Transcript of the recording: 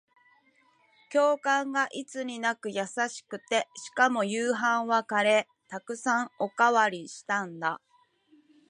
教官がいつになく優しくて、しかも夕飯はカレー。沢山おかわりしたんだ。